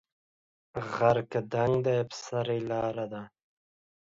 غر که دنګ دی په سر یې لار ده